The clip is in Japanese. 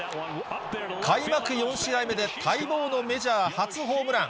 開幕４試合目で待望のメジャー初ホームラン。